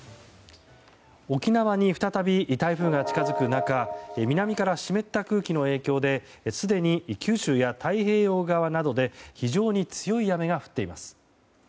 沖縄に再び台風が近づく中南から湿った空気の影響ですでに九州や太平洋側などで非常に強い雨が降っています。